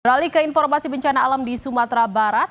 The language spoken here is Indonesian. beralih ke informasi bencana alam di sumatera barat